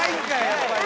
やっぱり。